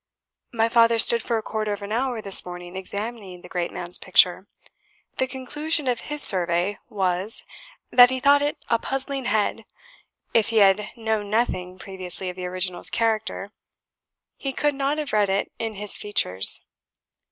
My father stood for a quarter of an hour this morning examining the great man's picture. The conclusion of his survey was, that he thought it a puzzling head; if he had known nothing previously of the original's character; he could not have read it in his features.